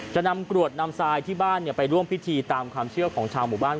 จะนำกรวดนำทรายที่บ้านไปร่วมพิธีตามความเชื่อของชาวหมู่บ้าน